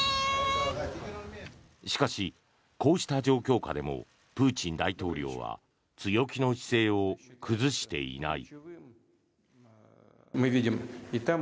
しかし、こうした状況下でもプーチン大統領は強気の姿勢を崩していない。